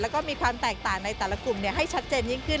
แล้วก็มีความแตกต่างในแต่ละกลุ่มให้ชัดเจนยิ่งขึ้น